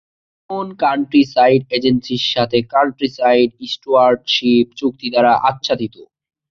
Common countryside এজেন্সির সাথে countryside stewardship চুক্তি দ্বারা আচ্ছাদিত।